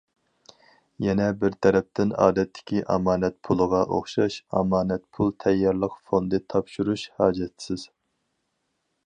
يەنە بىر تەرەپتىن ئادەتتىكى ئامانەت پۇلىغا ئوخشاش ئامانەت پۇل تەييارلىق فوندى تاپشۇرۇش ھاجەتسىز.